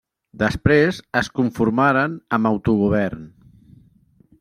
Després es conformaren amb autogovern.